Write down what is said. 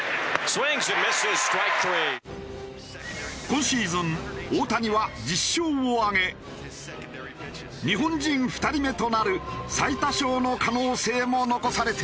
今シーズン大谷は１０勝を挙げ日本人２人目となる最多勝の可能性も残されている。